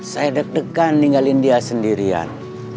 saya deg degan ninggalin dia sendirian